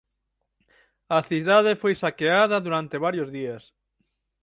A cidade foi saqueada durante varios días.